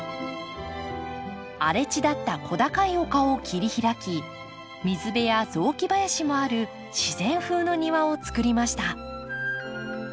荒れ地だった小高い丘を切り開き水辺や雑木林もある自然風の庭を作りました。